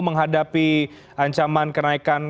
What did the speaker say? menghadapi ancaman kenaikan